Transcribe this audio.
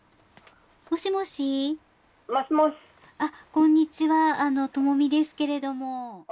もしもし、こんにちは、智美ですけれども。